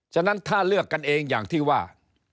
ฉะนั้นถ้าเลือกกันเองอย่างที่ว่า